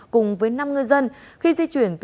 cùng với năm ngư dân